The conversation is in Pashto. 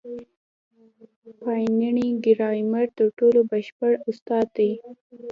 پاڼيڼى د ګرامر تر ټولو بشپړ استاد وو.